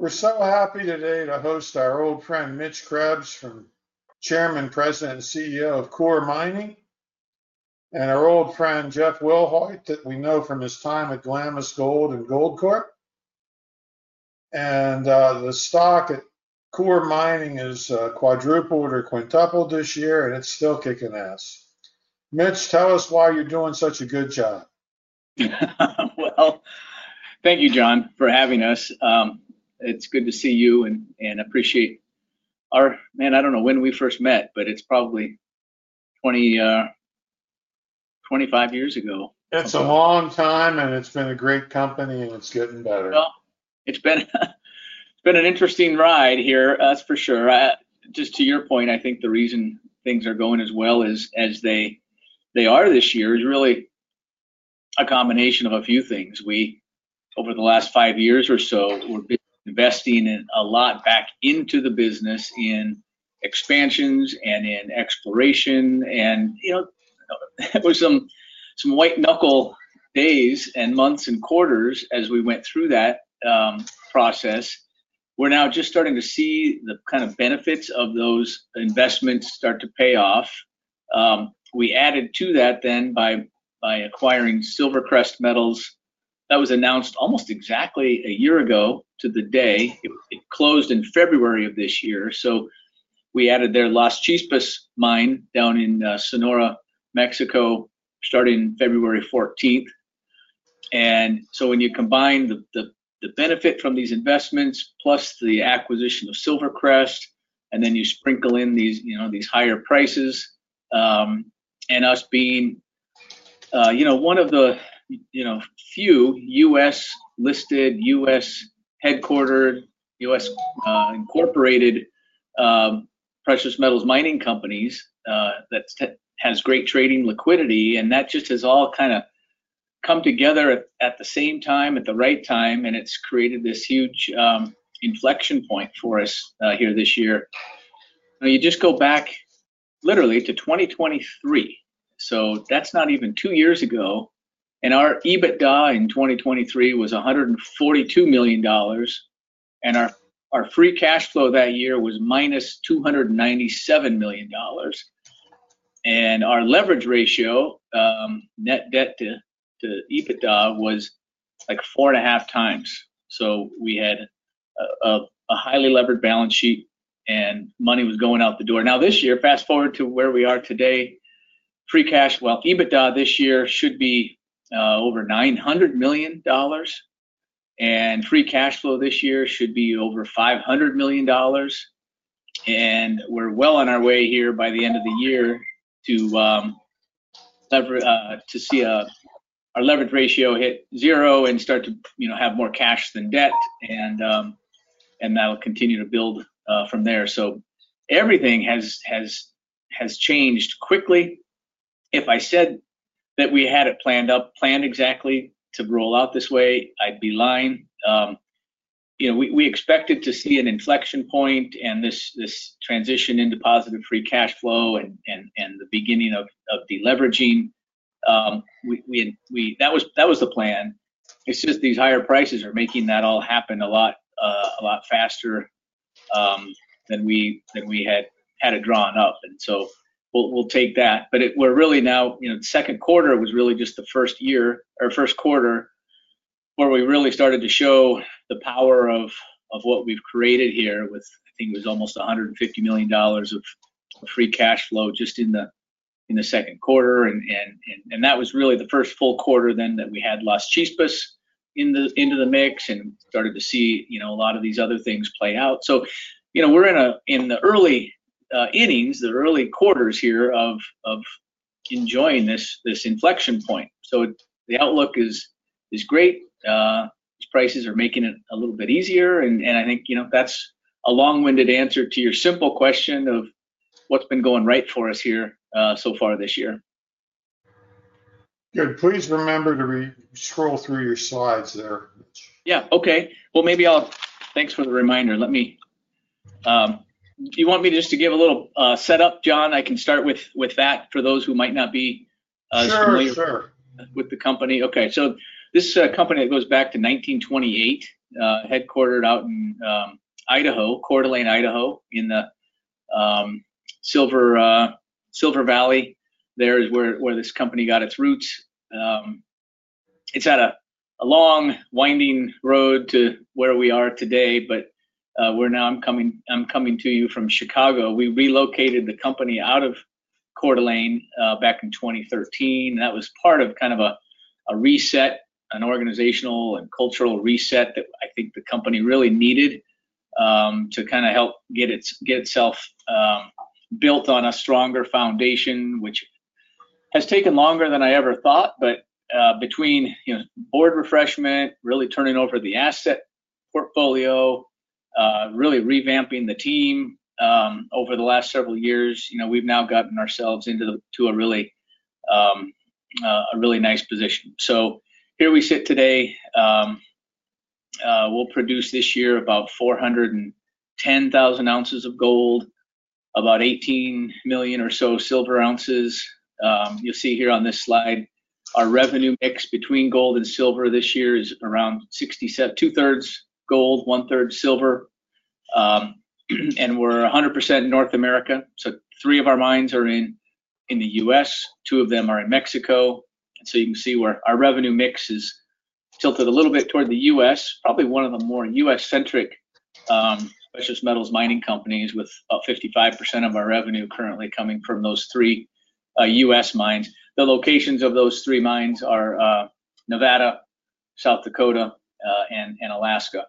We're so happy today to host our old friend Mitch Krebs, Chairman, President, and CEO of Coeur Mining, and our old friend Jeff Wilhoit, that we know from his time at Glamis Gold and Goldcorp. The stock at Coeur Mining has quadrupled or quintupled this year, and it's still kicking ass. Mitch, tell us why you're doing such a good job. Thank you, John, for having us. It's good to see you and appreciate our... I don't know when we first met, but it's probably 20 years, 25 years ago. That's a long time, and it's been a great company, and it's getting better. It's been an interesting ride here, us for sure. Just to your point, I think the reason things are going as well as they are this year is really a combination of a few things. We, over the last five years or so, were investing a lot back into the business in expansions and in exploration. You know, it was some white-knuckle days and months and quarters as we went through that process. We're now just starting to see the kind of benefits of those investments start to pay off. We added to that then by acquiring SilverCrest Metals. That was announced almost exactly a year ago to the day. It closed in February of this year. We added their Las Chispas mine down in Sonora, Mexico, starting February 14th. When you combine the benefit from these investments plus the acquisition of SilverCrest, and then you sprinkle in these higher prices and us being, you know, one of the few U.S.-listed, U.S.-headquartered, U.S.-incorporated precious metals mining companies that have great trading liquidity, that just has all kind of come together at the same time, at the right time, and it's created this huge inflection point for us here this year. You just go back literally to 2023. That's not even two years ago. Our EBITDA in 2023 was $142 million, and our free cash flow that year was -$297 million. Our leverage ratio, net debt to EBITDA, was like four and a half times. We had a highly levered balance sheet, and money was going out the door. Now, this year, fast forward to where we are today, EBITDA this year should be over $900 million, and free cash flow this year should be over $500 million. We're well on our way here by the end of the year to see our leverage ratio hit zero and start to have more cash than debt, and that'll continue to build from there. Everything has changed quickly. If I said that we had it planned exactly to roll out this way, I'd be lying. You know, we expected to see an inflection point and this transition into positive free cash flow and the beginning of deleveraging. That was the plan. These higher prices are making that all happen a lot faster than we had had it drawn up. We'll take that. We're really now, you know, the second quarter was really just the first year, or first quarter, where we really started to show the power of what we've created here with, I think it was almost $150 million of free cash flow just in the second quarter. That was really the first full quarter then that we had Las Chispas into the mix and started to see a lot of these other things play out. We're in the early innings, the early quarters here of enjoying this inflection point. The outlook is great. Prices are making it a little bit easier. I think that's a long-winded answer to your simple question of what's been going right for us here so far this year. Please remember to scroll through your slides there. Okay, thanks for the reminder. Do you want me just to give a little setup, John? I can start with that for those who might not be as familiar with the company. Sure, sure. Okay. This is a company that goes back to 1928, headquartered out in Idaho, Coeur d'Alene, Idaho, in the Silver Valley. That is where this company got its roots. It's had a long winding road to where we are today, but we're now... I'm coming to you from Chicago. We relocated the company out of Coeur d'Alene back in 2013. That was part of kind of a reset, an organizational and cultural reset that I think the company really needed to help get itself built on a stronger foundation, which has taken longer than I ever thought. Between board refreshment, really turning over the asset portfolio, really revamping the team over the last several years, we've now gotten ourselves into a really nice position. Here we sit today. We'll produce this year about 410,000 oz of gold, about 18 million or so silver oz. You'll see here on this slide, our revenue mix between gold and silver this year is around 2/3 gold, 1/3 silver. We're 100% in North America. Three of our mines are in the U.S., two of them are in Mexico. You can see where our revenue mix is tilted a little bit toward the U.S., probably one of the more U.S.-centric precious metals mining companies with about 55% of our revenue currently coming from those three U.S. mines. The locations of those three mines are Nevada, South Dakota, and Alaska.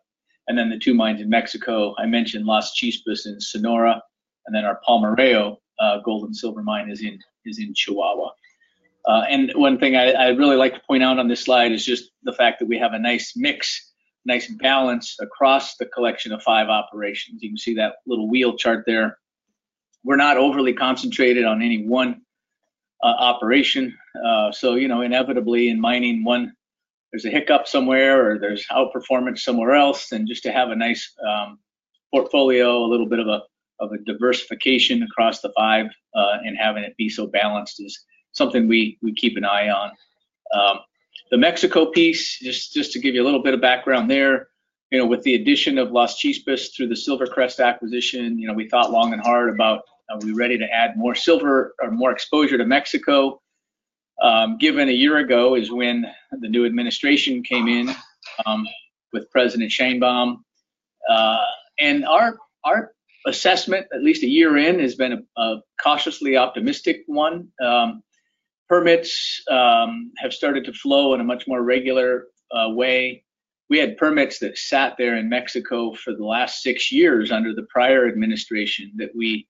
The two mines in Mexico, I mentioned Las Chispas in Sonora, and then our Palmarejo gold and silver mine is in Chihuahua. One thing I'd really like to point out on this slide is just the fact that we have a nice mix, nice balance across the collection of five operations. You can see that little wheel chart there. We're not overly concentrated on any one operation. Inevitably in mining, there's a hiccup somewhere or there's outperformance somewhere else. Just to have a nice portfolio, a little bit of a diversification across the five and having it be so balanced is something we keep an eye on. The Mexico piece, just to give you a little bit of background there, with the addition of Las Chispas through the SilverCrest acquisition, we thought long and hard about are we ready to add more silver or more exposure to Mexico, given a year ago is when the new administration came in with President Sheinbaum. Our assessment, at least a year in, has been a cautiously optimistic one. Permits have started to flow in a much more regular way. We had permits that sat there in Mexico for the last six years under the prior administration that we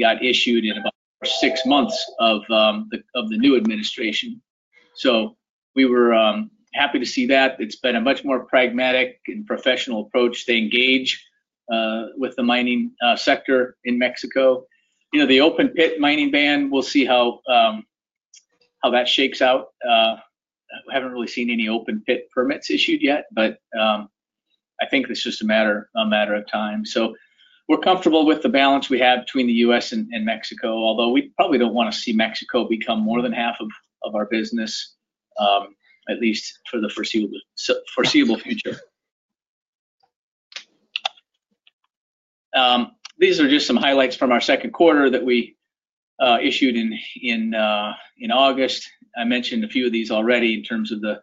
got issued in about six months of the new administration. We were happy to see that. It's been a much more pragmatic and professional approach to engage with the mining sector in Mexico. The open pit mining ban, we'll see how that shakes out. I haven't really seen any open pit permits issued yet, but I think it's just a matter of time. We're comfortable with the balance we have between the U.S. and Mexico, although we probably don't want to see Mexico become more than half of our business, at least for the foreseeable future. These are just some highlights from our second quarter that we issued in August. I mentioned a few of these already in terms of the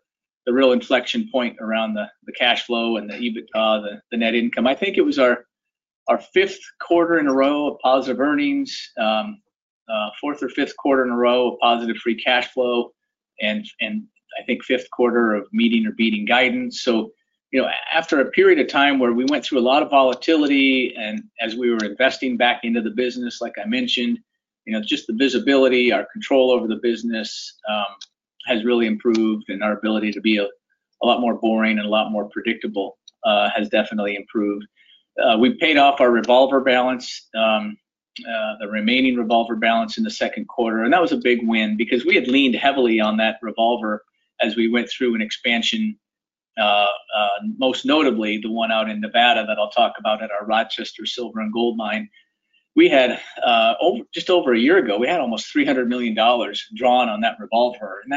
real inflection point around the cash flow and the net income. I think it was our fifth quarter in a row of positive earnings, fourth or fifth quarter in a row of positive free cash flow, and I think fifth quarter of meeting or beating guidance. After a period of time where we went through a lot of volatility and as we were investing back into the business, like I mentioned, just the visibility, our control over the business has really improved and our ability to be a lot more boring and a lot more predictable has definitely improved. We paid off our revolver balance, the remaining revolver balance in the second quarter, and that was a big win because we had leaned heavily on that revolver as we went through an expansion, most notably the one out in Nevada that I'll talk about at our Rochester silver and gold mine. Just over a year ago, we had almost $300 million drawn on that revolver, and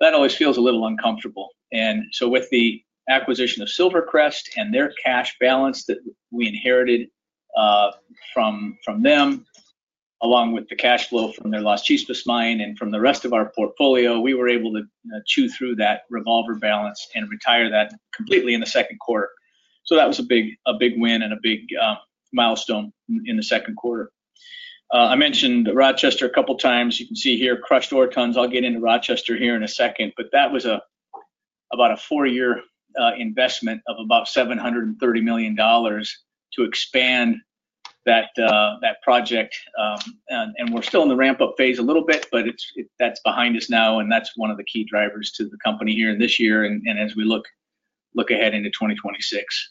that always feels a little uncomfortable. With the acquisition of SilverCrest and their cash balance that we inherited from them, along with the cash flow from their Las Chispas mine and from the rest of our portfolio, we were able to chew through that revolver balance and retire that completely in the second quarter. That was a big win and a big milestone in the second quarter. I mentioned Rochester a couple of times. You can see here crushed ore tons. I'll get into Rochester here in a second, but that was about a four-year investment of about $730 million to expand that project. We're still in the ramp-up phase a little bit, but that's behind us now, and that's one of the key drivers to the company here in this year and as we look ahead into 2026.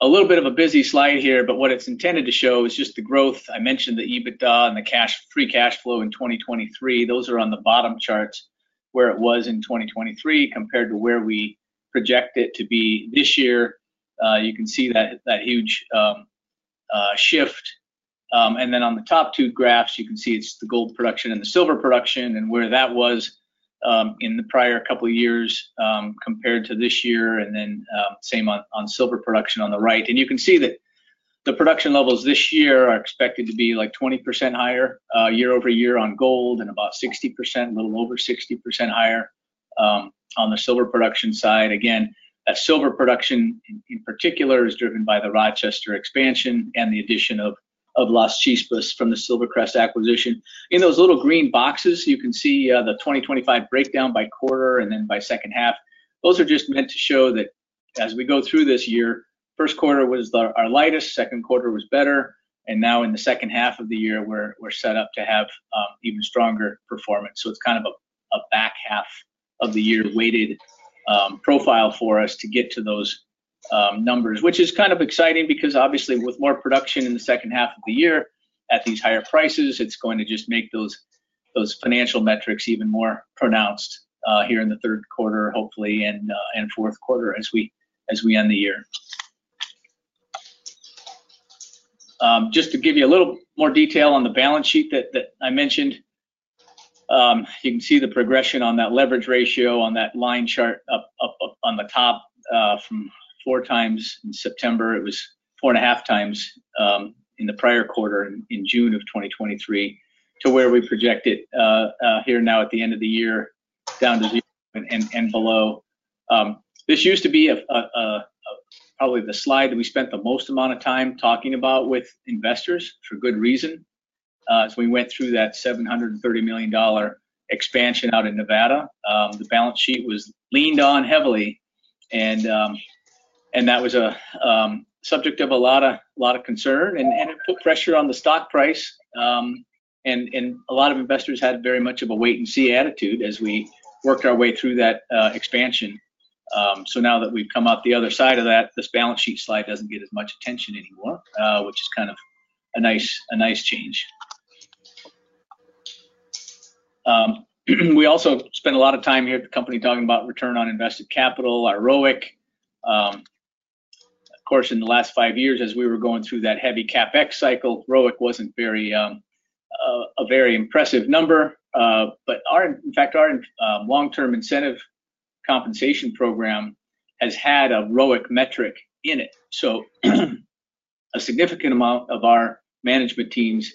A little bit of a busy slide here, but what it's intended to show is just the growth. I mentioned the EBITDA and the free cash flow in 2023. Those are on the bottom charts where it was in 2023 compared to where we project it to be this year. You can see that huge shift. On the top two graphs, you can see it's the gold production and the silver production and where that was in the prior couple of years compared to this year. Same on silver production on the right. You can see that the production levels this year are expected to be like 20% higher year-over-year on gold and about 60%, a little over 60% higher on the silver production side. Silver production in particular is driven by the Rochester expansion and the addition of Las Chispas from the SilverCrest acquisition. In those little green boxes, you can see the 2025 breakdown by quarter and then by second half. Those are just meant to show that as we go through this year, first quarter was our lightest, second quarter was better, and now in the second half of the year, we're set up to have even stronger performance. It's kind of a back half of the year weighted profile for us to get to those numbers, which is kind of exciting because obviously with more production in the second half of the year at these higher prices, it's going to just make those financial metrics even more pronounced here in the third quarter, hopefully, and fourth quarter as we end the year. Just to give you a little more detail on the balance sheet that I mentioned, you can see the progression on that leverage ratio on that line chart up on the top from four times in September. It was four and a half times in the prior quarter in June of 2023 to where we project it here now at the end of the year, down to the end and below. This used to be probably the slide that we spent the most amount of time talking about with investors for good reason. As we went through that $730 million expansion out in Nevada, the balance sheet was leaned on heavily, and that was a subject of a lot of concern, and it put pressure on the stock price. A lot of investors had very much of a wait-and-see attitude as we worked our way through that expansion. Now that we've come out the other side of that, this balance sheet slide doesn't get as much attention anymore, which is kind of a nice change. We also spent a lot of time here at the company talking about return on invested capital, our ROIC. Of course, in the last five years, as we were going through that heavy CapEx cycle, ROIC wasn't a very impressive number. In fact, our long-term incentive compensation program has had a ROIC metric in it. A significant amount of our management team's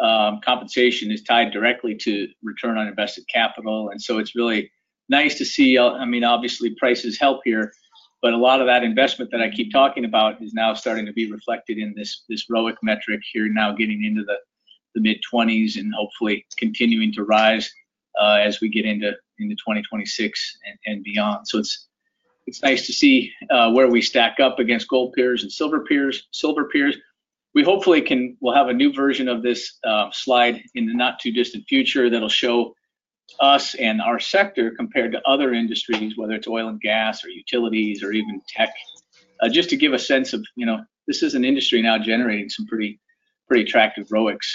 compensation is tied directly to return on invested capital. It's really nice to see, I mean, obviously prices help here, but a lot of that investment that I keep talking about is now starting to be reflected in this ROIC metric here now getting into the mid-20s and hopefully continuing to rise as we get into 2026 and beyond. It's nice to see where we stack up against gold peers and silver peers. We hopefully can, we'll have a new version of this slide in the not-too-distant future that'll show us and our sector compared to other industries, whether it's oil and gas or utilities or even tech, just to give a sense of, you know, this is an industry now generating some pretty attractive ROICs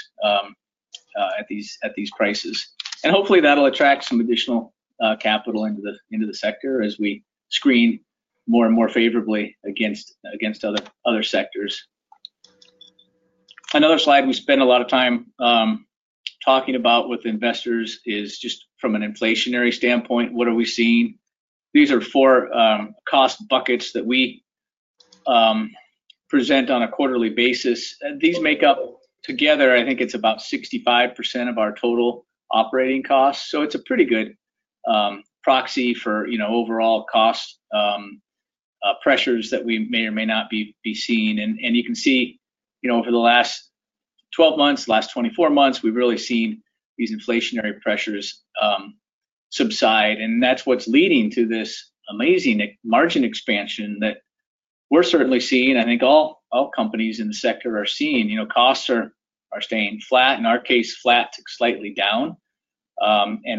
at these prices. Hopefully, that'll attract some additional capital into the sector as we screen more and more favorably against other sectors. Another slide we spend a lot of time talking about with investors is just from an inflationary standpoint, what are we seeing? These are four cost buckets that we present on a quarterly basis. These make up together, I think it's about 65% of our total operating costs. It's a pretty good proxy for, you know, overall cost pressures that we may or may not be seeing. You can see, you know, over the last 12 months, last 24 months, we've really seen these inflationary pressures subside. That's what's leading to this amazing margin expansion that we're certainly seeing. I think all companies in the sector are seeing, you know, costs are staying flat. In our case, flat to slightly down.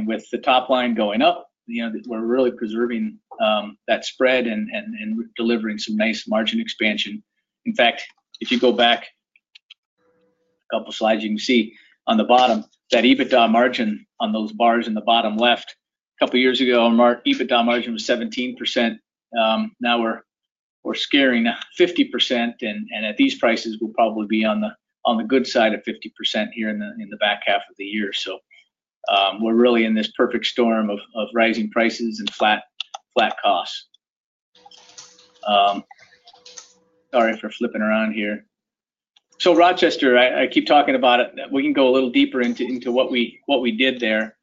With the top line going up, you know, we're really preserving that spread and delivering some nice margin expansion. In fact, if you go back a couple of slides, you can see on the bottom that EBITDA margin on those bars in the bottom left, a couple of years ago, our EBITDA margin was 17%. Now we're scaring 50%. At these prices, we'll probably be on the good side of 50% here in the back half of the year. We're really in this perfect storm of rising prices and flat costs. Sorry for flipping around here. Rochester, I keep talking about it. We can go a little deeper into what we did there.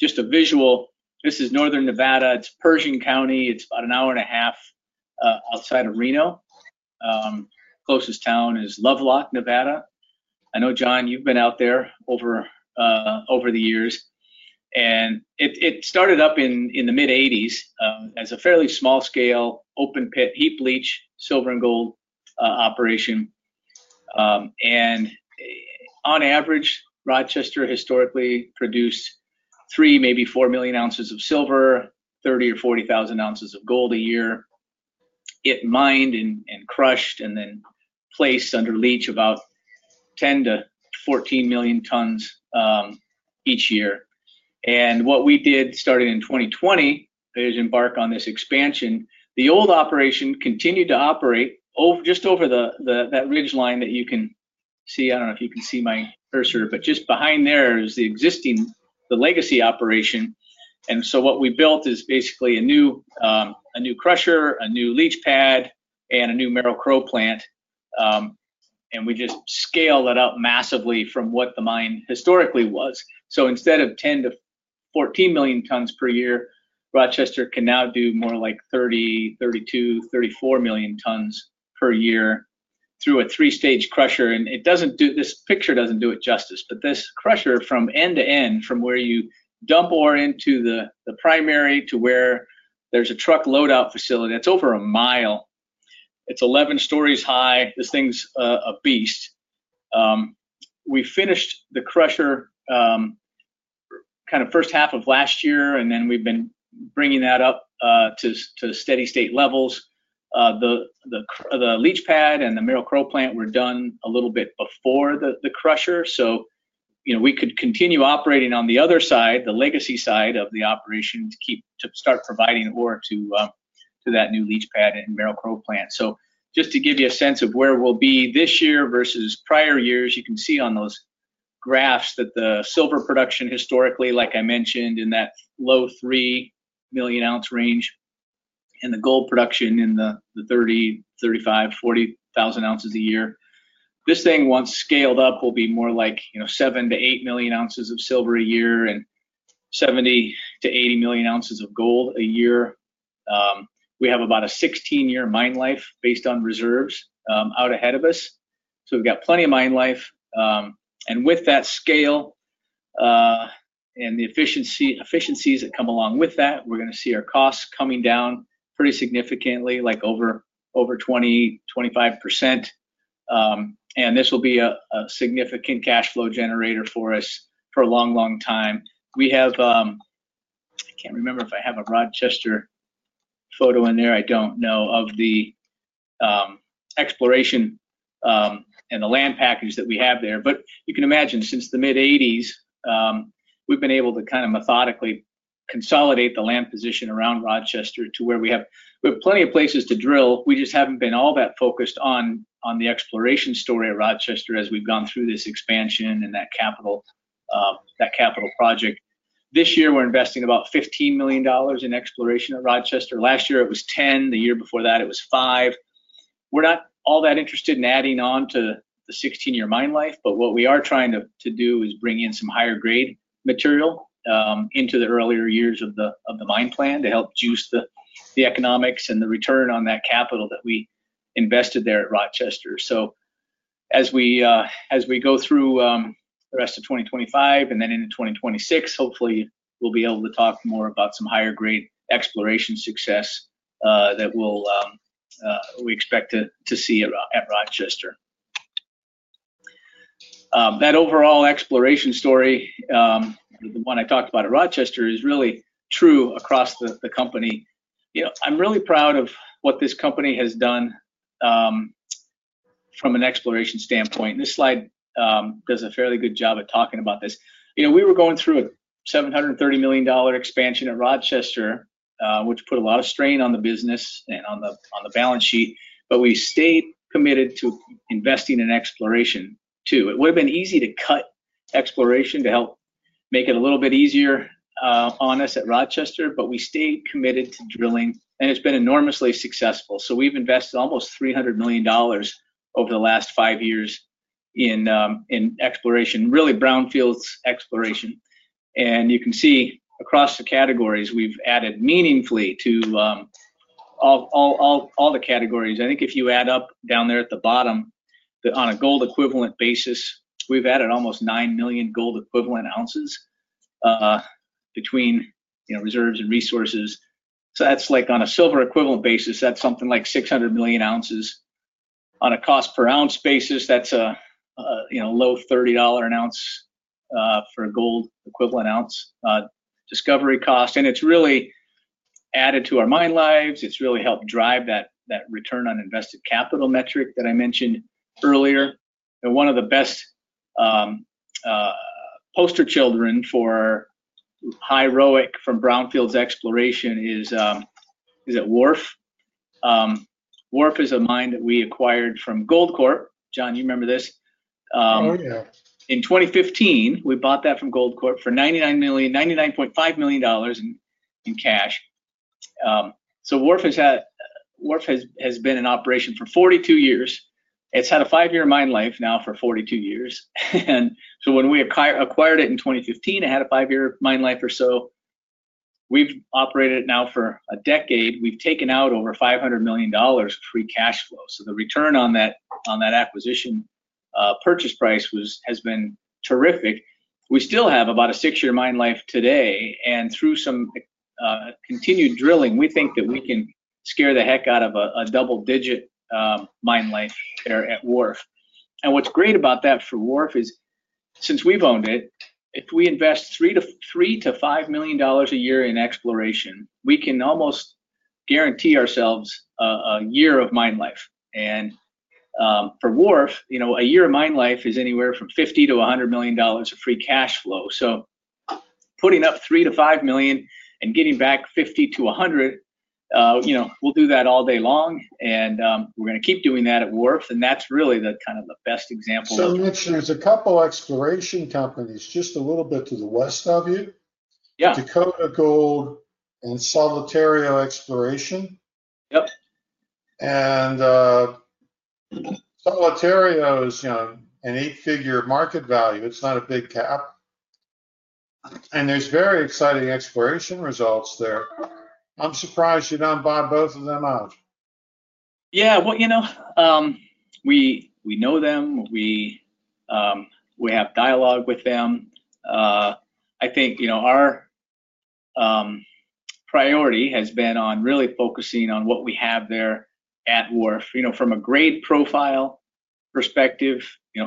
Just a visual, this is Northern Nevada. It's Pershing County. It's about an hour and a half outside of Reno. Closest town is Lovelock, Nevada. I know, John, you've been out there over the years. It started up in the mid-1980s as a fairly small-scale open pit, heap leach, silver and gold operation. On average, Rochester historically produced three, maybe 4 million oz of silver, 30,000 oz or 40,000 oz of gold a year. It mined and crushed and then placed under leach about 10 million tons-14 million tons each year. What we did started in 2020, they embarked on this expansion. The old operation continued to operate just over that ridgeline that you can see. I don't know if you can see my cursor, but just behind there is the existing, the legacy operation. What we built is basically a new crusher, a new leach pad, and a new Merrill-Crowe plant. We just scaled it out massively from what the mine historically was. Instead of 10 million tons-14 million tons per year, Rochester can now do more like 30 million tons, 32 million tons, 34 million tons per year through a three-stage crusher. This picture doesn't do it justice, but this crusher from end to end, from where you dump ore into the primary to where there's a truck loadout facility, that's over a mile. It's 11 stories high. This thing's a beast. We finished the crusher kind of first half of last year, and we've been bringing that up to steady state levels. The leach pad and the Merrill-Crowe plant were done a little bit before the crusher, so we could continue operating on the other side, the legacy side of the operation, to start providing ore to that new leach pad and Merrill-Crowe plant. Just to give you a sense of where we'll be this year versus prior years, you can see on those graphs that the silver production historically, like I mentioned, in that low three million ounce range and the gold production in the 30,000 oz, 35,00 oz, 40,000 oz a year. This thing, once scaled up, will be more like seven to eight million ounces of silver a year and 70,000 oz-80,000 oz of gold a year. We have about a 16-year mine life based on reserves out ahead of us. We've got plenty of mine life, and with that scale and the efficiencies that come along with that, we're going to see our costs coming down pretty significantly, like over 20%, 25%. This will be a significant cash flow generator for us for a long, long time. I can't remember if I have a Rochester photo in there. I don't know of the exploration and the land package that we have there. You can imagine since the mid-80s, we've been able to kind of methodically consolidate the land position around Rochester to where we have plenty of places to drill. We just haven't been all that focused on the exploration story of Rochester as we've gone through this expansion and that capital project. This year, we're investing about $15 million in exploration at Rochester. Last year, it was $10 million. The year before that, it was $5 million. We're not all that interested in adding on to the 16-year mine life, but what we are trying to do is bring in some higher grade material into the earlier years of the mine plan to help juice the economics and the return on that capital that we invested there at Rochester. As we go through the rest of 2025 and then into 2026, hopefully we'll be able to talk more about some higher grade exploration success that we expect to see at Rochester. That overall exploration story, the one I talked about at Rochester, is really true across the company. I'm really proud of what this company has done from an exploration standpoint. This slide does a fairly good job at talking about this. We were going through the $730 million expansion at Rochester, which put a lot of strain on the business and on the balance sheet, but we stayed committed to investing in exploration too. It would have been easy to cut exploration to help make it a little bit easier on us at Rochester, but we stayed committed to drilling and it's been enormously successful. We've invested almost $300 million over the last five years in exploration, really brownfields exploration. You can see across the categories we've added meaningfully to all the categories. I think if you add up down there at the bottom, on a gold equivalent basis, we've added almost 9 million gold equivalent ounces between reserves and resources. On a silver equivalent basis, that's something like 600 million oz. On a cost per ounce basis, that's a low $30 an ounce for a gold equivalent ounce discovery cost. It's really added to our mine lives. It's really helped drive that return on invested capital metric that I mentioned earlier. One of the best poster children for high ROIC from brownfields exploration is at Wharf. Wharf is a mine that we acquired from Gold Corp. John, you remember this? Oh yeah. In 2015, we bought that from Gold Corp for $99.5 million in cash. Wharf has been in operation for 42 years. It's had a five-year mine life now for 42 years. When we acquired it in 2015, it had a five-year mine life or so. We've operated it now for a decade. We've taken out over $500 million free cash flow. The return on that acquisition purchase price has been terrific. We still have about a six-year mine life today. Through some continued drilling, we think that we can scare the heck out of a double-digit mine life there at Wharf. What's great about that for Wharf is since we've owned it, if we invest $3 million-$5 million a year in exploration, we can almost guarantee ourselves a year of mine life. For Wharf, a year of mine life is anywhere from $50 million-$100 million of free cash flow. Putting up $3 million-$5 million and getting back $50-$100, we'll do that all day long. We're going to keep doing that at Wharf. That's really the kind of the best example. Mitch, there's a couple of exploration companies just a little bit to the west of you. Yeah. Dakota Gold and Solitario Exploration. Yep. Solitario is an eight-figure market value. It's not a big cap, and there's very exciting exploration results there. I'm surprised you don't buy both of them out. Yeah, you know, we know them. We have dialogue with them. I think our priority has been on really focusing on what we have there at Wharf. From a grade profile perspective,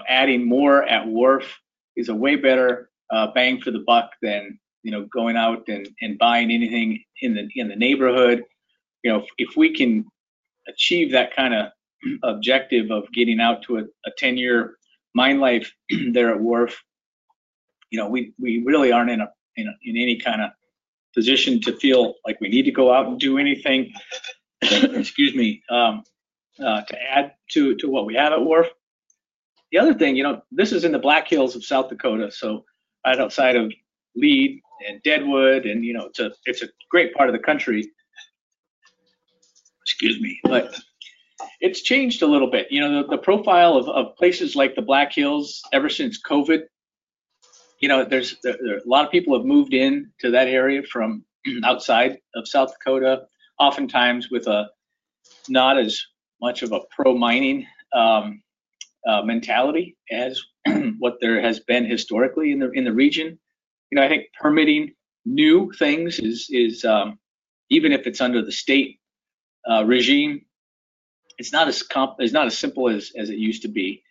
adding more at Wharf is a way better bang for the buck than going out and buying anything in the neighborhood. If we can achieve that kind of objective of getting out to a 10-year mine life there at Wharf, we really aren't in any kind of position to feel like we need to go out and do anything, excuse me, to add to what we have at Wharf. The other thing, this is in the Black Hills of South Dakota, right outside of Lead and Deadwood, and it's a great part of the country. Excuse me, but it's changed a little bit. The profile of places like the Black Hills ever since COVID, a lot of people have moved into that area from outside of South Dakota, oftentimes with not as much of a pro-mining mentality as what there has been historically in the region. I think permitting new things is, even if it's under the state regime, not as simple as it used to be.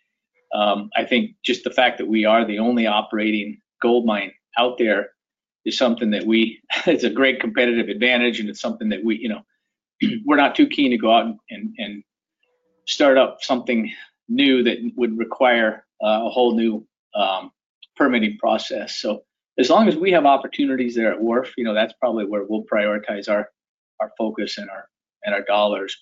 I think just the fact that we are the only operating gold mine out there is something that we, it's a great competitive advantage, and it's something that we, you know, we're not too keen to go out and start up something new that would require a whole new permitting process. As long as we have opportunities there at Wharf, that's probably where we'll prioritize our focus and our dollars.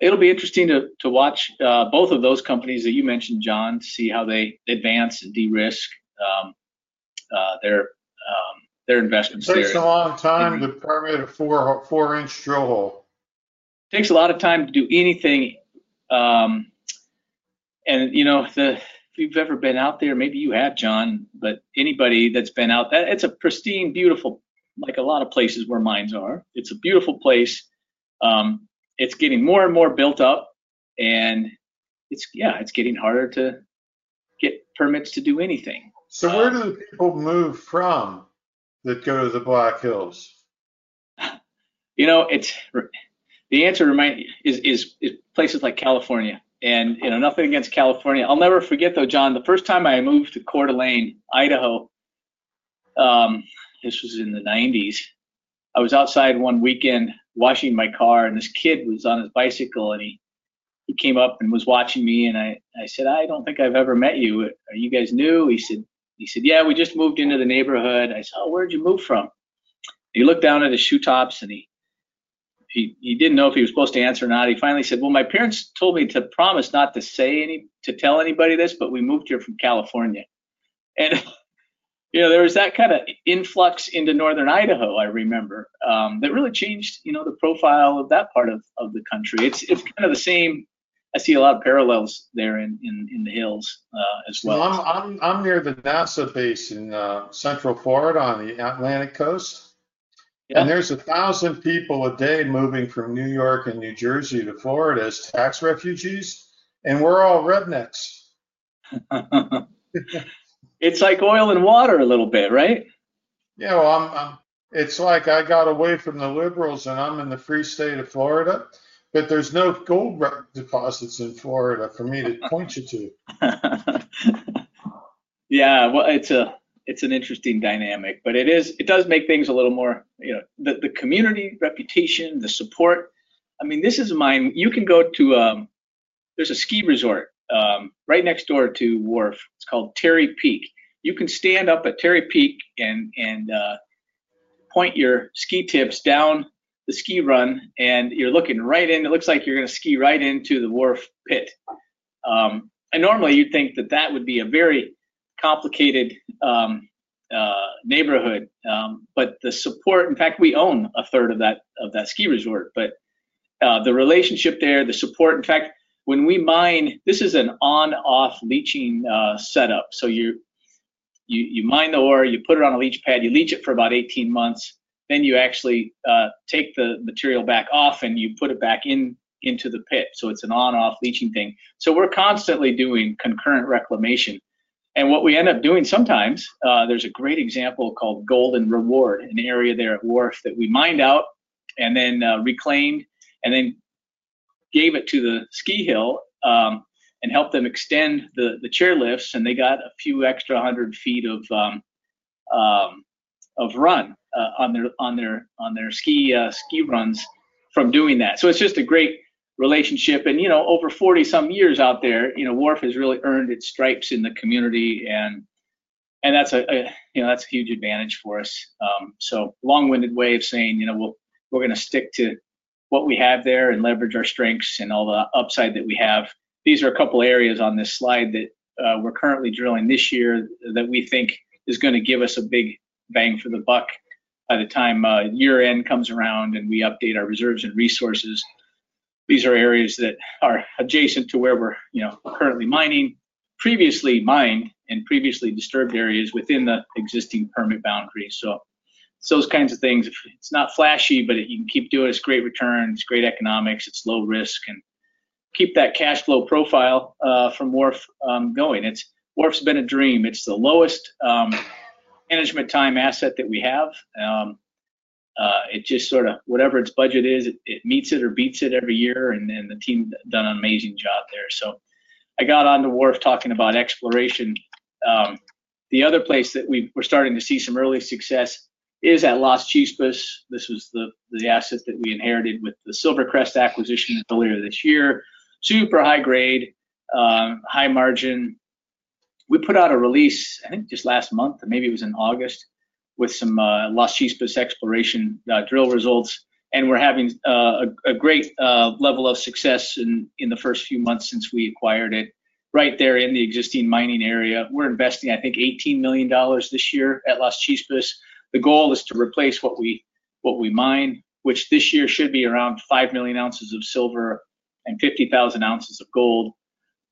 It'll be interesting to watch both of those companies that you mentioned, John, see how they advance and de-risk their investments. takes a long time to permit a four-inch drill hole. takes a lot of time to do anything. You know, if you've ever been out there, maybe you have, John, but anybody that's been out there, it's a pristine, beautiful, like a lot of places where mines are. It's a beautiful place. It's getting more and more built up, and it's getting harder to get permits to do anything. Where do people move from that go to the Black Hills? You know, the answer is places like California. Nothing against California. I'll never forget though, John, the first time I moved to Coeur d’Alene, Idaho, this was in the 1990s. I was outside one weekend washing my car and this kid was on his bicycle and he came up and was watching me. I said, "I don't think I've ever met you. Are you guys new?" He said, "Yeah, we just moved into the neighborhood." I said, "Oh, where'd you move from?" He looked down at his shoe tops and he didn't know if he was supposed to answer or not. He finally said, "My parents told me to promise not to say any, to tell anybody this, but we moved here from California." There was that kind of influx into northern Idaho I remember that really changed the profile of that part of the country. It's kind of the same. I see a lot of parallels there in the hills as well. I'm near the Vasa base in central Florida on the Atlantic coast. There's a thousand people a day moving from New York and New Jersey to Florida as tax refugees. We're all rednecks. It's like oil and water a little bit, right? Yeah, it's like I got away from the liberals and I'm in the free state of Florida, but there's no gold deposits in Florida for me to point you to. Yeah, it's an interesting dynamic, but it does make things a little more, you know, the community reputation, the support. I mean, this is mine. You can go to, there's a ski resort right next door to Wharf called Terry Peak. You can stand up at Terry Peak and point your ski tips down the ski run and you're looking right in. It looks like you're going to ski right into the Wharf pit. Normally you'd think that that would be a very complicated neighborhood, but the support, in fact, we own a third of that ski resort, but the relationship there, the support, in fact, when we mine, this is an on-off leaching setup. You mine the ore, you put it on a leach pad, you leach it for about 18 months, then you actually take the material back off and you put it back into the pit. It's an on-off leaching thing. We're constantly doing concurrent reclamation. What we end up doing sometimes, there's a great example called Golden Reward, an area there at Wharf that we mined out and then reclaimed and then gave it to the ski hill and helped them extend the chairlifts and they got a few extra hundred feet of run on their ski runs from doing that. It's just a great relationship. Over 40 some years out there, Wharf has really earned its stripes in the community and that's a huge advantage for us. Long-winded way of saying, we're going to stick to what we have there and leverage our strengths and all the upside that we have. These are a couple of areas on this slide that we're currently drilling this year that we think is going to give us a big bang for the buck by the time year-end comes around and we update our reserves and resources. These are areas that are adjacent to where we're currently mining, previously mined and previously disturbed areas within the existing permit boundaries. Those kinds of things, it's not flashy, but you can keep doing it. It's great returns, great economics, it's low risk and keep that cash flow profile from Wharf going. Wharf's been a dream. It's the lowest management time asset that we have. It just sort of, whatever its budget is, it meets it or beats it every year and the team has done an amazing job there. I got on the Wharf talking about exploration. The other place that we're starting to see some early success is at Las Chispas. This was the asset that we inherited with the SilverCrest acquisition earlier this year. Super high grade, high margin. We put out a release, I think just last month, maybe it was in August, with some Las Chispas exploration drill results. We're having a great level of success in the first few months since we acquired it right there in the existing mining area. We're investing, I think, $18 million this year at Las Chispas. The goal is to replace what we mine, which this year should be around 5 million oz of silver and 50,000 oz of gold.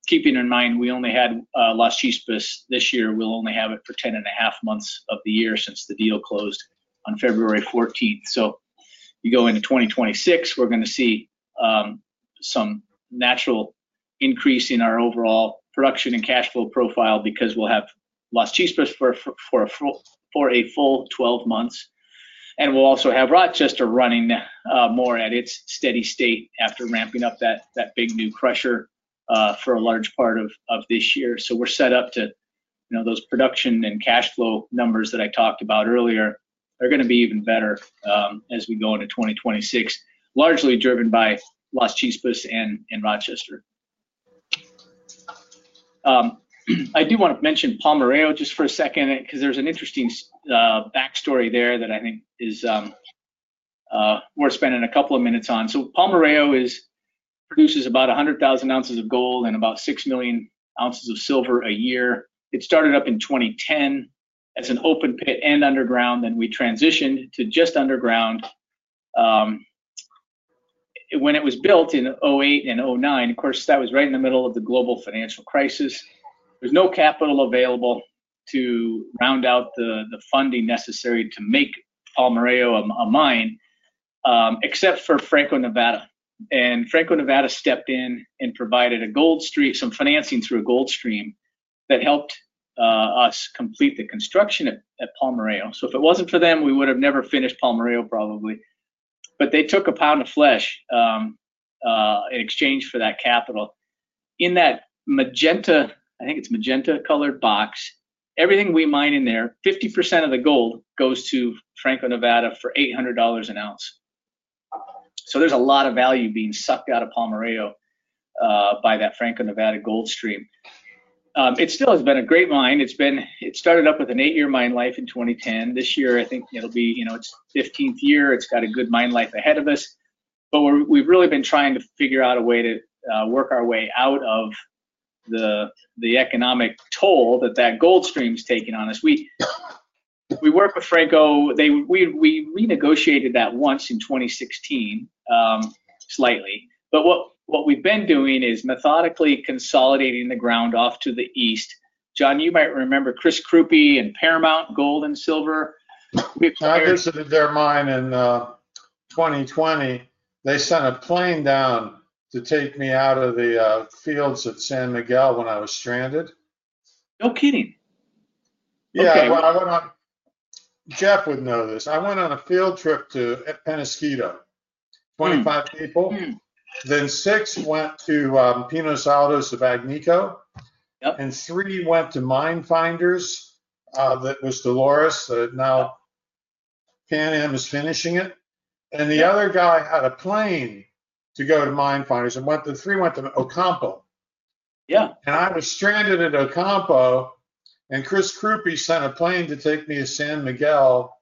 Keeping in mind we only had Las Chispas this year, we'll only have it for 10.5 months of the year since the deal closed on February 14. You go into 2026, we're going to see some natural increase in our overall production and cash flow profile because we'll have Las Chispas for a full 12 months. We'll also have Rochester running more at its steady state after ramping up that big new crusher for a large part of this year. We're set up to, you know, those production and cash flow numbers that I talked about earlier are going to be even better as we go into 2026, largely driven by Las Chispas and Rochester. I do want to mention Palmarejo just for a second because there's an interesting backstory there that I think is worth spending a couple of minutes on. Palmarejo produces about 100,000 oz of gold and about 6 million oz of silver a year. It started up in 2010 as an open pit and underground. Then we transitioned to just underground. When it was built in 2008 and 2009, of course, that was right in the middle of the global financial crisis. There was no capital available to round out the funding necessary to make Palmarejo a mine, except for Franco-Nevada. Franco-Nevada stepped in and provided a gold stream, some financing through a gold stream that helped us complete the construction at Palmarejo. If it wasn't for them, we would have never finished Palmarejo probably. They took a pound of flesh in exchange for that capital. In that magenta, I think it's magenta colored box, everything we mine in there, 50% of the gold goes to Franco-Nevada for $800 an ounce. There's a lot of value being sucked out of Palmarejo by that Franco-Nevada gold stream. It still has been a great mine. It started up with an eight-year mine life in 2010. This year, I think it'll be, you know, its 15th year. It's got a good mine life ahead of us. We've really been trying to figure out a way to work our way out of the economic toll that that gold stream's taking on us. We worked with Franco. We renegotiated that once in 2016, slightly. What we've been doing is methodically consolidating the ground off to the east. John, you might remember [Chris Kruppe] and Paramount Gold and Silver. I visited their mine in 2020. They sent a plane down to take me out of the fields at San Miguel when I was stranded. No kidding. Yeah, Jeff would know this. I went on a field trip to Peñasquito. 25 people. Six went to Pinos Altos of Agnico. Three went to Minefinders. That was Dolores that now is finishing it. The other guy had a plane to go to Minefinders. Three went to Ocampo. Yeah. I was stranded at Ocampo. [Chris Kruppe] sent a plane to take me to San Miguel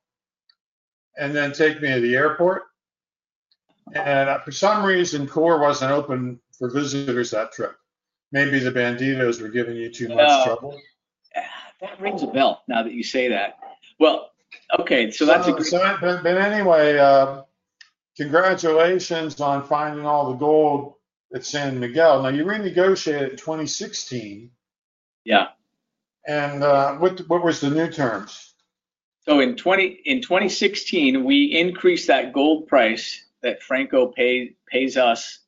and then take me to the airport. For some reason, Coeur wasn't open for visitors that trip. Maybe the Bandidos were giving you too much trouble. That rings a bell now that you say that. Okay, so that's a good. Anyway, congratulations on finding all the gold at San Miguel. You renegotiated in 2016. Yeah. What were the new terms? In 2016, we increased that gold price that Franco-Nevada pays us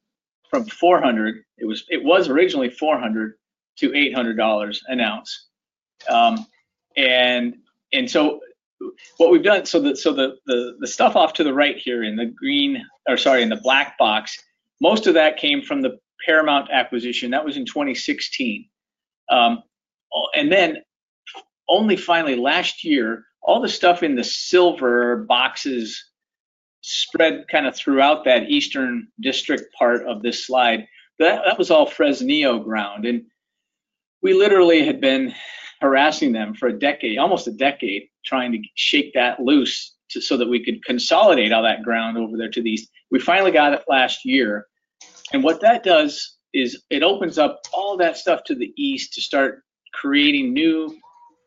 from $400. It was originally $400-$800 an ounce. What we've done, the stuff off to the right here in the green, or sorry, in the black box, most of that came from the Paramount acquisition. That was in 2016. Only finally last year, all the stuff in the silver boxes spread kind of throughout that eastern district part of this slide, that was all Fresnillo ground. We literally had been harassing them for a decade, almost a decade, trying to shake that loose so that we could consolidate all that ground over there to the east. We finally got it last year. What that does is it opens up all that stuff to the east to start creating new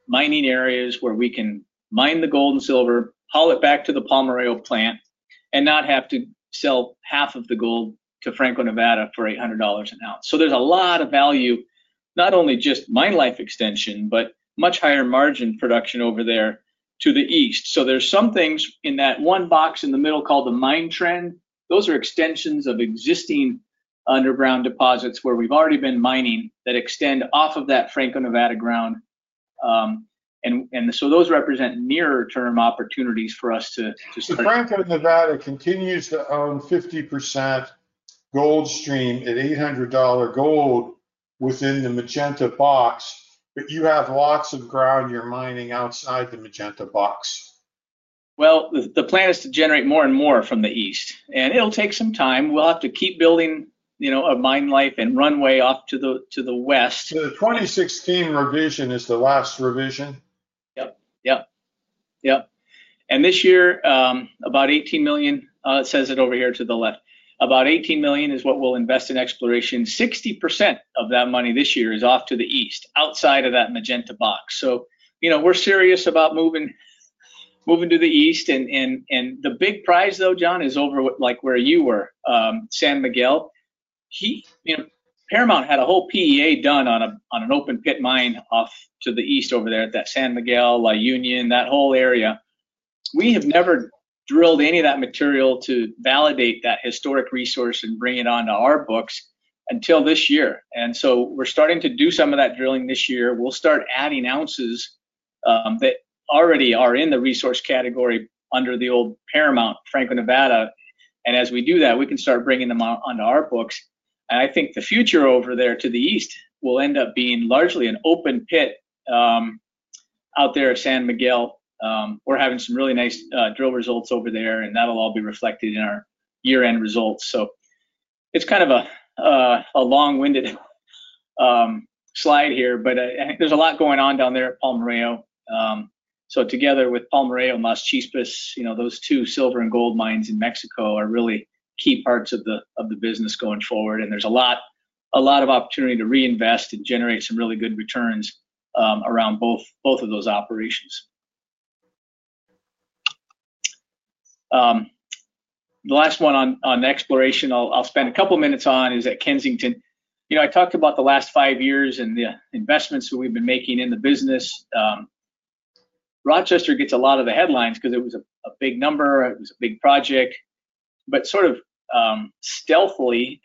mining areas where we can mine the gold and silver, haul it back to the Palmarejo plant, and not have to sell half of the gold to Franco-Nevada for $800 an ounce. There's a lot of value, not only just mine life extension, but much higher margin production over there to the east. There are some things in that one box in the middle called the mine trend. Those are extensions of existing underground deposits where we've already been mining that extend off of that Franco-Nevada ground. Those represent near-term opportunities for us to. Franco-Nevada continues to own a 50% gold stream at $800 gold within the magenta box, but you have lots of ground you're mining outside the magenta box. The plan is to generate more and more from the east. It'll take some time. We'll have to keep building a mine life and runway off to the west. The 2016 revision is the last revision. Yep, yep, yep. This year, about $18 million, it says it over here to the left, about $18 million is what we'll invest in exploration. 60% of that money this year is off to the east, outside of that magenta box. We're serious about moving to the east. The big prize though, John, is over like where you were, San Miguel. Paramount had a whole PEA done on an open pit mine off to the east over there at that San Miguel, La Union, that whole area. We have never drilled any of that material to validate that historic resource and bring it onto our books until this year. We're starting to do some of that drilling this year. We'll start adding ounces that already are in the resource category under the old Paramount, Franco-Nevada. As we do that, we can start bringing them onto our books. I think the future over there to the east will end up being largely an open pit out there at San Miguel. We're having some really nice drill results over there, and that'll all be reflected in our year-end results. It's kind of a long-winded slide here, but there's a lot going on down there at Palmarejo. Together with Palmarejo, Las Chispas, those two silver and gold mines in Mexico are really key parts of the business going forward. There's a lot of opportunity to reinvest and generate some really good returns around both of those operations. The last one on exploration I'll spend a couple of minutes on is at Kensington. I talked about the last five years and the investments that we've been making in the business. Rochester gets a lot of the headlines because it was a big number, it was a big project. Sort of stealthily,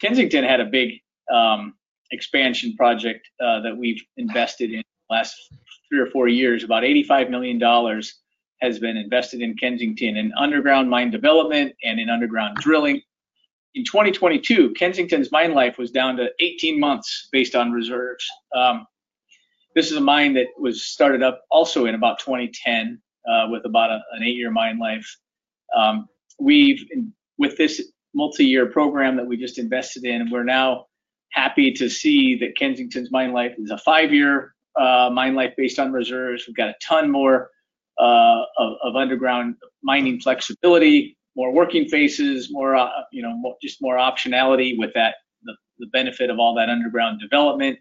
Kensington had a big expansion project that we've invested in the last three or four years. About $85 million has been invested in Kensington in underground mine development and in underground drilling. In 2022, Kensington's mine life was down to 18 months based on reserves. This is a mine that was started up also in about 2010 with about an eight-year mine life. With this multi-year program that we just invested in, we're now happy to see that Kensington's mine life is a five-year mine life based on reserves. We've got a ton more of underground mining flexibility, more working phases, more optionality with that, the benefit of all that underground development.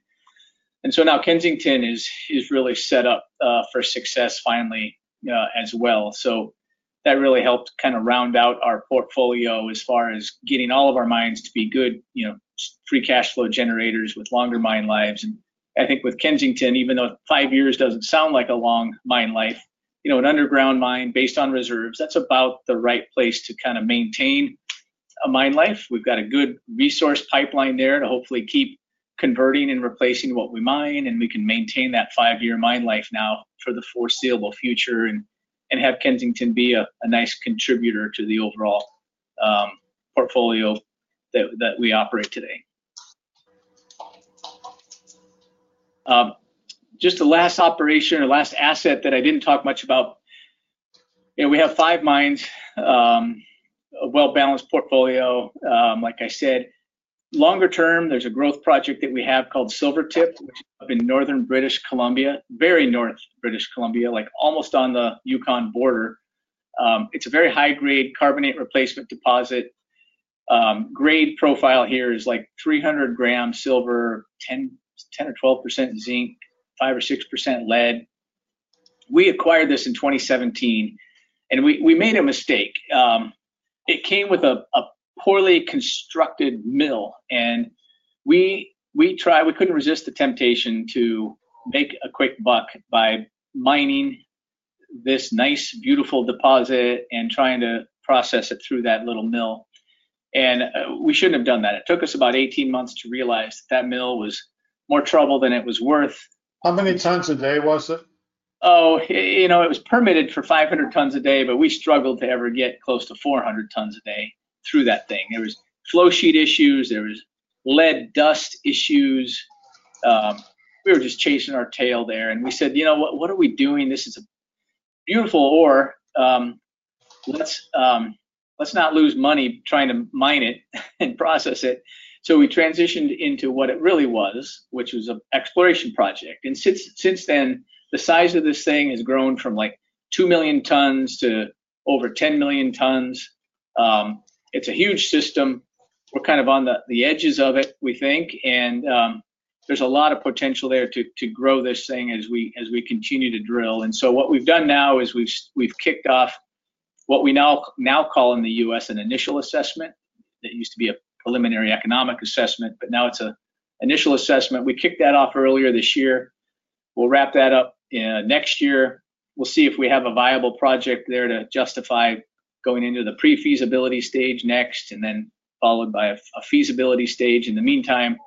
Now Kensington is really set up for success finally as well. That really helped kind of round out our portfolio as far as getting all of our mines to be good, you know, free cash flow generators with longer mine lives. I think with Kensington, even though five years doesn't sound like a long mine life, you know, an underground mine based on reserves, it's about the right place to kind of maintain a mine life. We've got a good resource pipeline there to hopefully keep converting and replacing what we mine, and we can maintain that five-year mine life now for the foreseeable future and have Kensington be a nice contributor to the overall portfolio that we operate today. The last operation or last asset that I didn't talk much about, you know, we have five mines, a well-balanced portfolio, like I said. Longer term, there's a growth project that we have called Silvertip in Northern British Columbia, very North British Columbia, like almost on the Yukon border. It's a very high-grade carbonate replacement deposit. Grade profile here is like 300 gram silver, 10% or 12% zinc, 5% or 6% lead. We acquired this in 2017, and we made a mistake. It came with a poorly constructed mill, and we tried, we couldn't resist the temptation to make a quick buck by mining this nice, beautiful deposit and trying to process it through that little mill. We shouldn't have done that. It took us about 18 months to realize that that mill was more trouble than it was worth. How many tons a day was it? Oh, you know, it was permitted for 500 tons a day, but we struggled to ever get close to 400 tons a day through that thing. There were flow sheet issues, there were lead dust issues. We were just chasing our tail there, and we said, you know what, what are we doing? This is a beautiful ore, let's not lose money trying to mine it and process it. We transitioned into what it really was, which was an exploration project. Since then, the size of this thing has grown from like 2 million tons to over 10 million tons. It's a huge system. We're kind of on the edges of it, we think, and there's a lot of potential there to grow this thing as we continue to drill. What we've done now is we've kicked off what we now call in the U.S. an initial assessment. It used to be a preliminary economic assessment, but now it's an initial assessment. We kicked that off earlier this year. We'll wrap that up next year. We'll see if we have a viable project there to justify going into the pre-feasibility stage next, followed by a feasibility stage. In the meantime,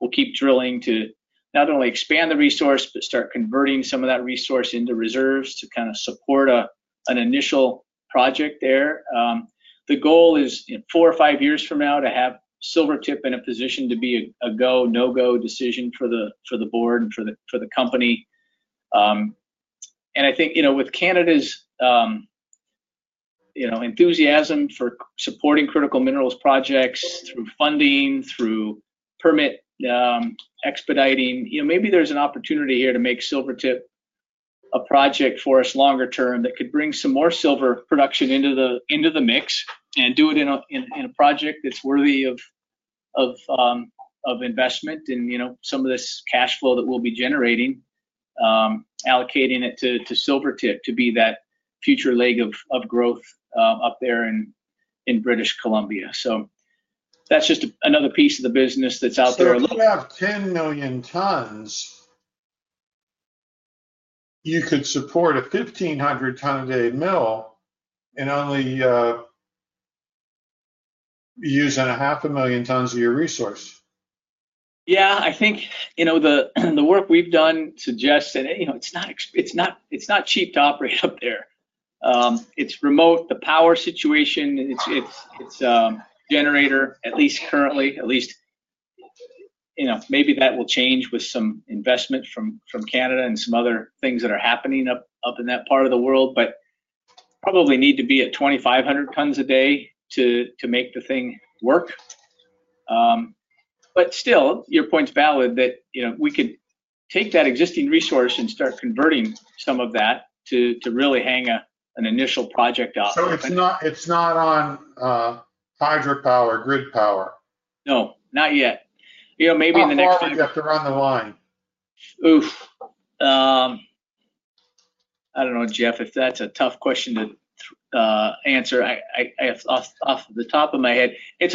we'll keep drilling to not only expand the resource, but start converting some of that resource into reserves to kind of support an initial project there. The goal is four or five years from now to have Silvertip in a position to be a go-no-go decision for the board and for the company. I think, you know, with Canada's enthusiasm for supporting critical minerals projects through funding, through permit expediting, maybe there's an opportunity here to make Silvertip a project for us longer term that could bring some more silver production into the mix and do it in a project that's worthy of investment and, you know, some of this cash flow that we'll be generating, allocating it to Silvertip to be that future leg of growth up there in British Columbia. That's just another piece of the business that's out there. If you have 10 million tons, you could support a 1,500-ton a day mill and only use $0.5 million tons of your resource. Yeah, I think the work we've done suggests that it's not cheap to operate up there. It's remote. The power situation, it's generator, at least currently, at least, maybe that will change with some investment from Canada and some other things that are happening up in that part of the world. You probably need to be at 2,500 tons a day to make the thing work. Still, your point's valid that we can take that existing resource and start converting some of that to really hang an initial project out there. It's not on hydropower or grid power? No, not yet. You know, maybe in the next year. How long do you have to run the mine? I don't know, Jeff, if that's a tough question to answer. Off the top of my head, it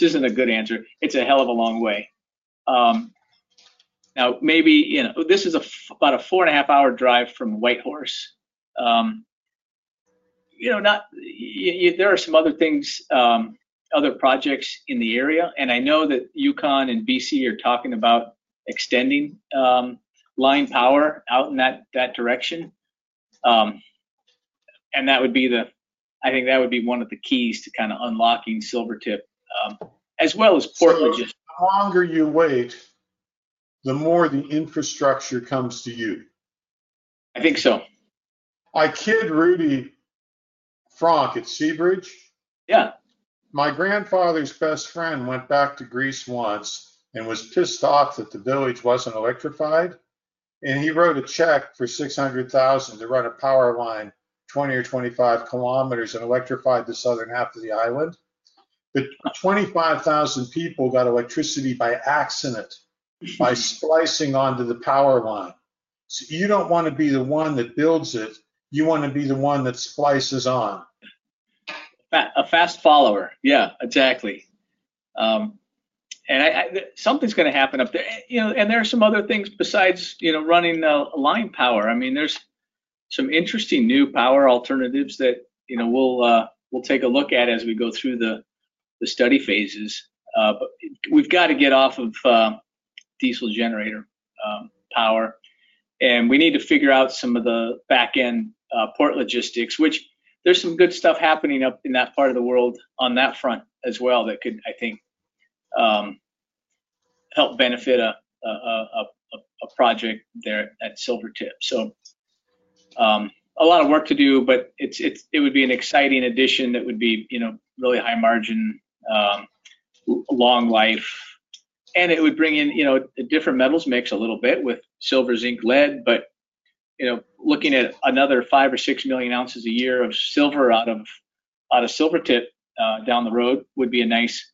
isn't a good answer. It's a hell of a long way. Maybe, you know, this is about a four-and-a-half-hour drive from Whitehorse. There are some other things, other projects in the area, and I know that Yukon and B.C. are talking about extending line power out in that direction. I think that would be one of the keys to kind of unlocking Silvertip as well as Port Bridges. The longer you wait, the more the infrastructure comes to you. I think so. My kid, Rudy Franck at Seabridge. Yeah. My grandfather's best friend went back to Greece once and was pissed off that the village wasn't electrified. He wrote a check for $600,000 to run a power line 20 km or 25 km and electrified the southern half of the island. Twenty-five thousand people got electricity by accident by slicing onto the power line. You don't want to be the one that builds it. You want to be the one that slices on. A fast follower. Yeah, exactly. Something's going to happen up there. There are some other things besides running the line power. There are some interesting new power alternatives that we'll take a look at as we go through the study phases. We've got to get off of diesel generator power. We need to figure out some of the backend port logistics, which there's some good stuff happening up in that part of the world on that front as well that could, I think, help benefit a project there at Silvertip. A lot of work to do, but it would be an exciting addition that would be really high margin, long life. It would bring in a different metals mix a little bit with silver, zinc, lead. Looking at another five or six million ounces a year of silver out of Silvertip down the road would be a nice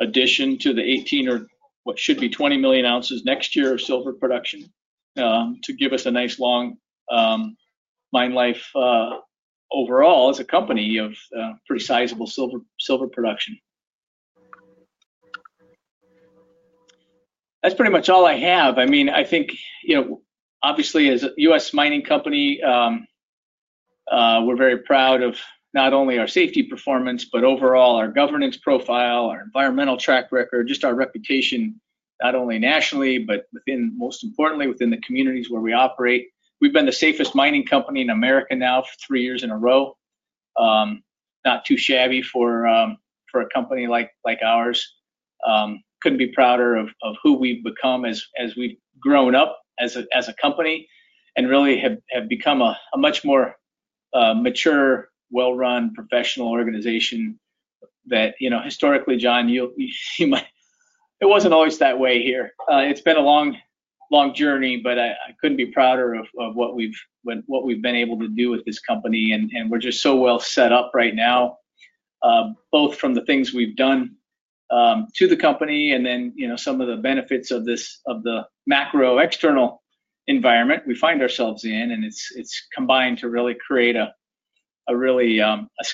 addition to the 18 or what should be 20 million oz next year of silver production to give us a nice long mine life overall as a company of pretty sizable silver production. That's pretty much all I have. Obviously, as a U.S. mining company, we're very proud of not only our safety performance, but overall our governance profile, our environmental track record, just our reputation, not only nationally, but most importantly within the communities where we operate. We've been the safest mining company in America now for three years in a row. Not too shabby for a company like ours. Couldn't be prouder of who we've become as we've grown up as a company and really have become a much more mature, well-run, professional organization that, historically, John, it wasn't always that way here. It's been a long, long journey, but I couldn't be prouder of what we've been able to do with this company. We're just so well set up right now, both from the things we've done to the company and then some of the benefits of the macro external environment we find ourselves in. It's combined to really create a really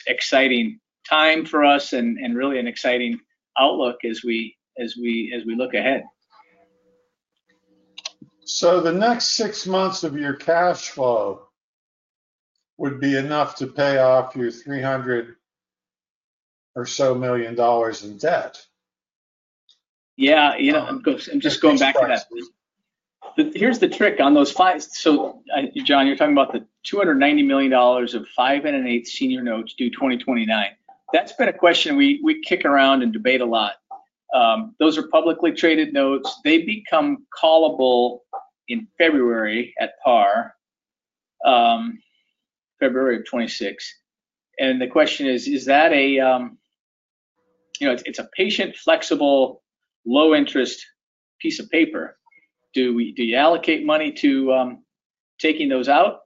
exciting time for us and really an exciting outlook as we look ahead. The next six months of your cash flow would be enough to pay off your $300 million or so in debt. Yeah, you know, I'm just going back to that. Here's the trick on those five. John, you're talking about the $290 million of 5.125% senior notes due 2029. That's been a question we kick around and debate a lot. Those are publicly traded notes. They become callable in February at par, February of 2026. The question is, is that a, you know, it's a patient, flexible, low-interest piece of paper. Do you allocate money to taking those out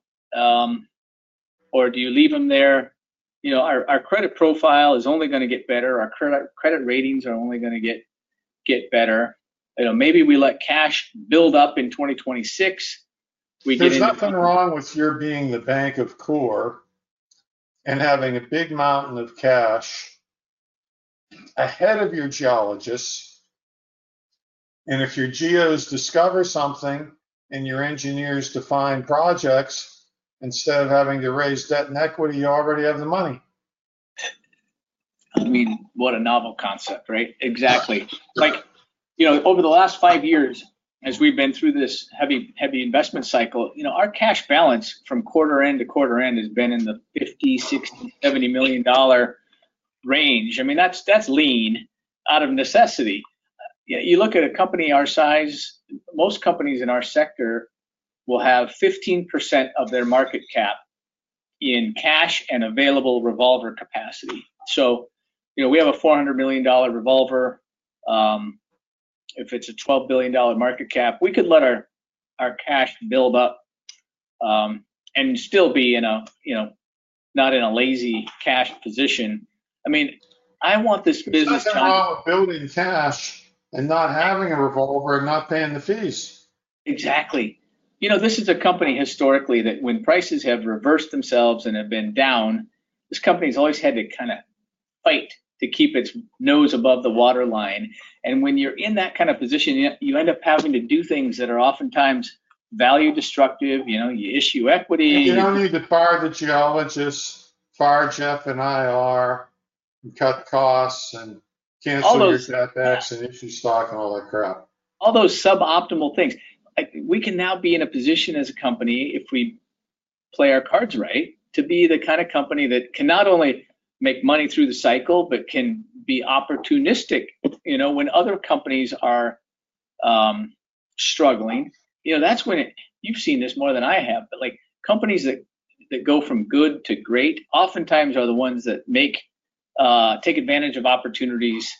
or do you leave them there? You know, our credit profile is only going to get better. Our credit ratings are only going to get better. Maybe we let cash build up in 2026. There's nothing wrong with your being the bank of Coeur and having a big mountain of cash ahead of your geologists. If your geos discover something and your engineers define projects, instead of having to raise debt and equity, you already have the money. I mean, what a novel concept, right? Exactly. Over the last five years, as we've been through this heavy investment cycle, our cash balance from quarter end to quarter end has been in the $50 million, $60 million, $70 million range. That's lean out of necessity. You look at a company our size, most companies in our sector will have 15% of their market cap in cash and available revolver capacity. We have a $400 million revolver. If it's a $12 billion market cap, we could let our cash build up and still be in a, you know, not in a lazy cash position. I mean, I want this business to. That's all building cash and not having a revolver, and not paying the fees. Exactly. You know, this is a company historically that when prices have reversed themselves and have been down, this company's always had to kind of fight to keep its nose above the waterline. When you're in that kind of position, you end up having to do things that are oftentimes value destructive. You know, you issue equity. You don't need to fire the geologists, fire Jeff and IR, and cut costs and cancel this FS and issue stockholder credit. All those suboptimal things. We can now be in a position as a company, if we play our cards right, to be the kind of company that can not only make money through the cycle, but can be opportunistic, you know, when other companies are struggling. That's when you've seen this more than I have, but companies that go from good to great oftentimes are the ones that take advantage of opportunities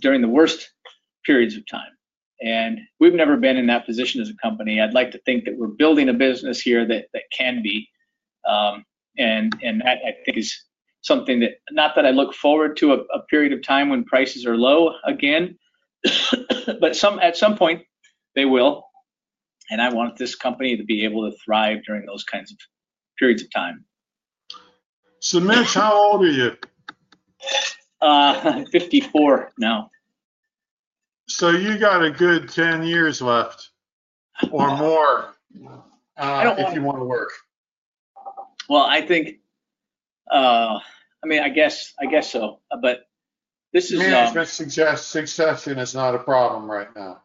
during the worst periods of time. We've never been in that position as a company. I'd like to think that we're building a business here that can be. That, I think, is something that not that I look forward to a period of time when prices are low again, but at some point they will. I want this company to be able to thrive during those kinds of periods of time. Mitch, how old are you? I'm 54 now. You got a good 10 years left or more if you want to work. I think, I mean, I guess so, but this is. Management suggests since cessation is not a problem right now.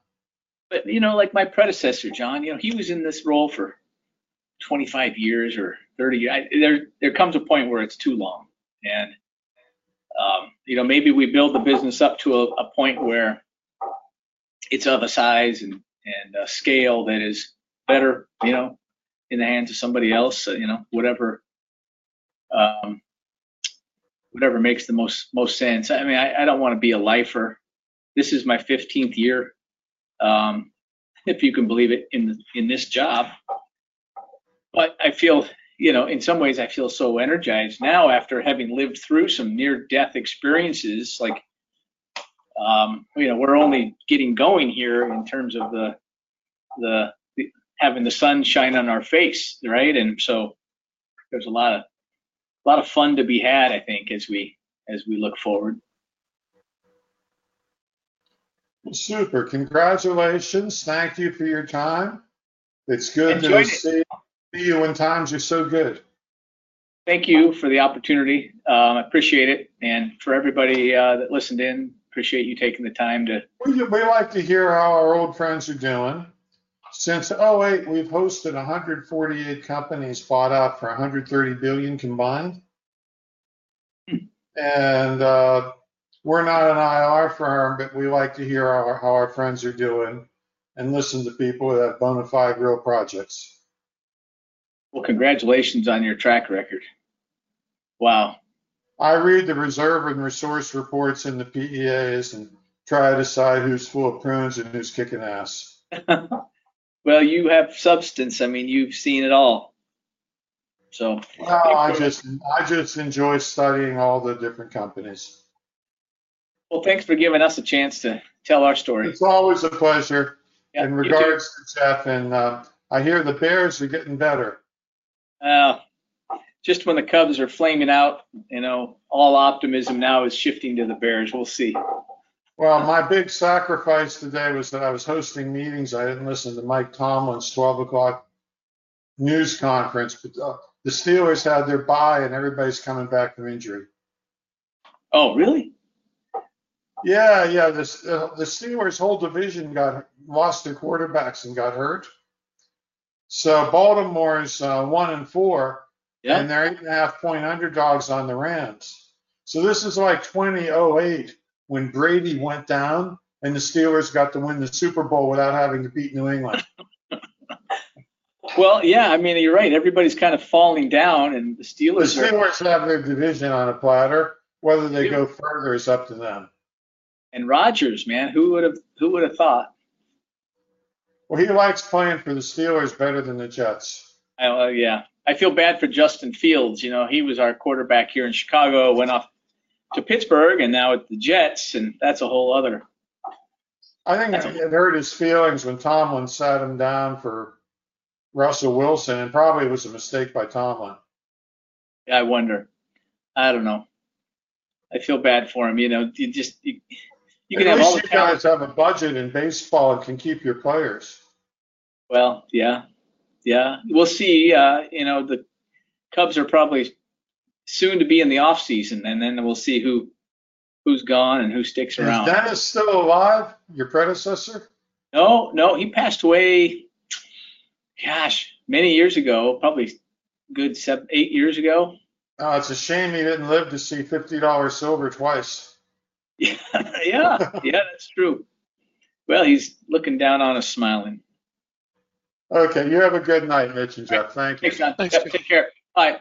You know, like my predecessor John, he was in this role for 25 years or 30 years. There comes a point where it's too long. Maybe we build the business up to a point where it's of a size and scale that is better in the hands of somebody else, whatever makes the most sense. I mean, I don't want to be a lifer. This is my 15th year, if you can believe it, in this job. I feel, in some ways, I feel so energized now after having lived through some near-death experiences. You know, we're only getting going here in terms of having the sun shine on our face, right? There's a lot of fun to be had, I think, as we look forward. Super, congratulations. Thank you for your time. It's good to see you when times are so good. Thank you for the opportunity. I appreciate it. For everybody that listened in, I appreciate you taking the time to. We like to hear how our old friends are doing. Since 2008, we've hosted 148 companies fought out for $130 billion combined. We're not an IR firm, but we like to hear how our friends are doing and listen to people that own five real projects. Congratulations on your track record. Wow. I read the reserve and resource reports and the PEAs and try to decide who's fooling friends and who's kicking ass. You have substance. I mean, you've seen it all. I just enjoy studying all the different companies. Thanks for giving us a chance to tell our story. It's always a pleasure. In regards to Jeff, and I hear the Bears are getting better. Just when the Cubs are flaming out, you know, all optimism now is shifting to the Bears. We'll see. My big sacrifice today was that I was hosting meetings. I didn't listen to Mike Tomlin's 12:00 P.M. news conference. The Steelers had their bye and everybody's coming back from injury. Oh, really? Yeah, yeah. The Steelers' whole division lost their quarterbacks and got hurt. Baltimore is 1-4. Yeah. They're 8.5-point underdogs on the Rams. This is like 2008 when Brady went down, and the Steelers got to win the Super Bowl without having to beat New England. Yeah, I mean, you're right. Everybody's kind of falling down and the Steelers are. The Steelers have their division on a platter. Whether they go further is up to them. Rodgers, man, who would have thought? He likes playing for the Steelers better than the Jets. Oh, yeah. I feel bad for Justin Fields. You know, he was our quarterback here in Chicago, went off to Pittsburgh, and now it's the Jets. That's a whole other. I think if he had hurt his feelings when Tomlin sat him down for Russell Wilson, it probably was a mistake by Tomlin. Yeah, I wonder. I don't know. I feel bad for him. You know, you just. You can have all the guys who have a budget in baseball that can keep your players. Yeah. We'll see. You know, the Cubs are probably soon to be in the offseason, and then we'll see who's gone and who sticks around. Is Dennis still alive, your predecessor? No, he passed away, gosh, many years ago, probably a good eight years ago. Oh, it's a shame he didn't live to see $50 silver twice. Yeah, yeah, that's true. He's looking down on us smiling. Okay, you have a good night, Mitch and Jeff. Thank you. Thanks, John. Thanks, Jeff. Take care. Bye.